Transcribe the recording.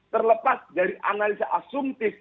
terlepas dari analisa asumtif